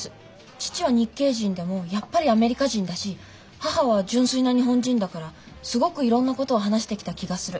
父は日系人でもやっぱりアメリカ人だし母は純粋な日本人だからすごくいろんなことを話してきた気がする。